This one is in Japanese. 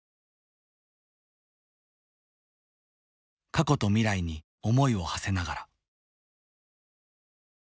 過去と未来に思いをはせながら。